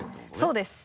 そうです。